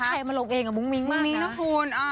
ผู้ชายมาหลบเองอะมุ้งมิ้งมากนะ